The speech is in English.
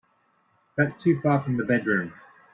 That's too far from the bedroom.